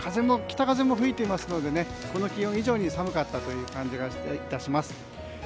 北風も吹いていますのでこの気温以上に寒かったという感じが致します。